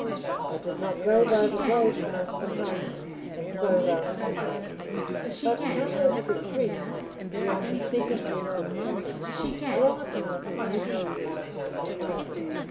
I did not go by the road past the house and so round to the gardens, but cut over the crest beyond the second keeper's cottage, along a path Nettie used to call her own.